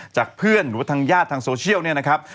จากเพื่อนหรือว่าทางญาติทางโซเชียลเนี่ยนะครับ